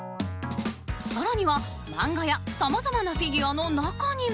更には漫画やさまざまなフィギュアの中にも。